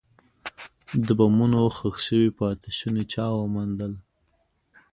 د بمونو ښخ شوي پاتې شوني چا وموندل.